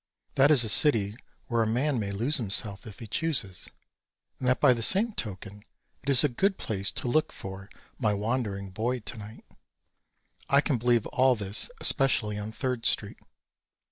That it is a city where a man may lose himself if he chooses, and that by the same token it is a good place to look for "my wandering boy tonight." I can believe all this especially on Third street.